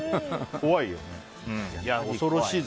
怖いよね。